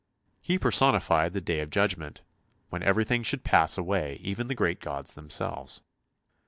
He personified the day of Judgment, when everything should pass away, even the great gods themselves.